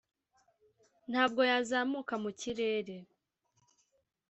ntabwo yazamuka mu kirere,